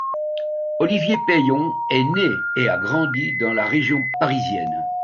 Olivier Peyon est né et a grandi dans la région parisienne.